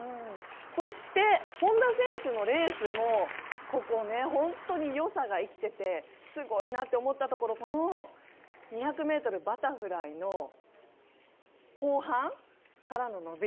そして本多選手のレースも本当に良さが生きててすごいなと思ったところこの２００ｍバタフライの後半からの伸び。